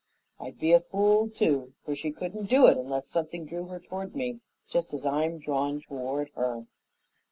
I'd be a fool, too, for she couldn't do it unless something drew her toward me just as I'm drawn toward her."